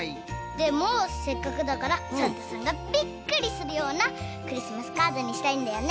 でもせっかくだからサンタさんがびっくりするようなクリスマスカードにしたいんだよね。